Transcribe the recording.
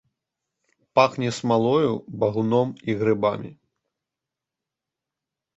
Пахне смалою, багуном і грыбамі.